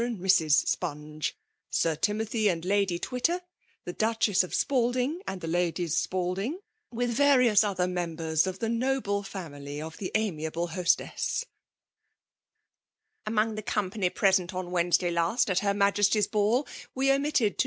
a^d Misses Spungf^ ^ Tiinothy and I^ady Twitter, the Duchess of Spalding, and the Ladies Spalding, mkh various other members of the noUe family of the amiable hostess/' ^< Among the company present on Wedne^ day laaty at her Majesty's ball, we omitted tb